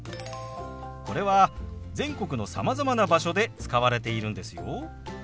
これは全国のさまざまな場所で使われているんですよ。